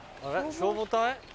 消防隊？